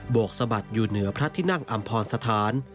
วกสะบัดอยู่เหนือพระที่นั่งอำพรสถาน